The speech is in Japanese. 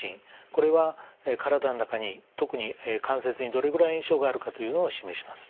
これは体の中に特に関節にどれぐらい炎症があるかというのを示します。